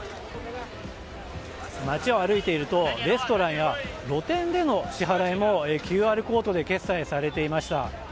街を歩いているとレストランや露店での支払いもＱＲコードで決済されていました。